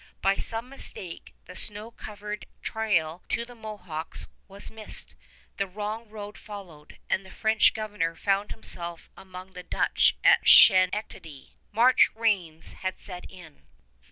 By some mistake the snow covered trail to the Mohawks was missed, the wrong road followed, and the French Governor found himself among the Dutch at Schenectady. March rains had set in.